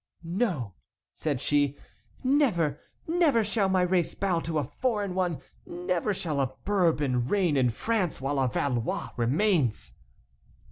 "No," said she, "never; never shall my race bow to a foreign one; never shall a Bourbon reign in France while a Valois remains!"